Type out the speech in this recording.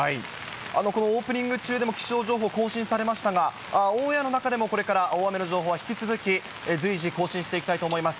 このオープニング中でも、気象情報、更新されましたが、オンエアの中でもこれから大雨の情報は引き続き随時、更新していきたいと思います。